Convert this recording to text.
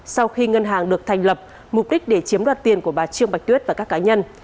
sau khi ngân hàng được thành lập mục đích để chiếm đoạt tiền của bà trương bạch tuyết và các cá nhân